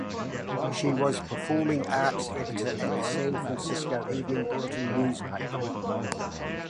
She was performing arts editor at the "San Francisco Evening Bulletin" newspaper.